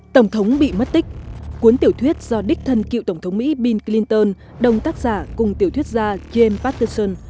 tổng thống bị mất tích cuốn tiểu thuyết do đích thân cựu tổng thống mỹ bill clinton đồng tác giả cùng tiểu thuyết gia james paterson